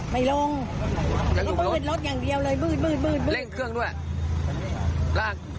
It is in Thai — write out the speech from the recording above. ไม่ลงรถอย่างเดียวเลยบืดบืดบืดเล่นเครื่องด้วยแล้วอ่ะ